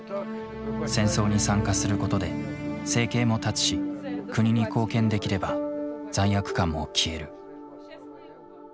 戦争に参加することで生計も立つし国に貢献できれば罪悪感も消える。